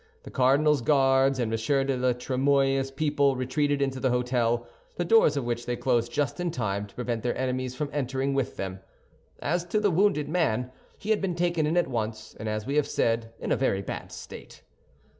The cardinal's Guards and M. de la Trémouille's people retreated into the hôtel, the doors of which they closed just in time to prevent their enemies from entering with them. As to the wounded man, he had been taken in at once, and, as we have said, in a very bad state.